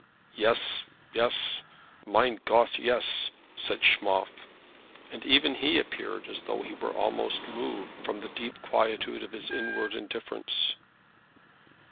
"Yes, yes; mein Gott, yes," said Schmoff, and even he appeared as though he were almost moved from the deep quietude of his inward indifference.